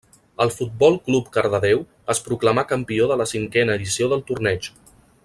El Futbol Club Cardedeu es proclamà campió de la cinquena edició del torneig.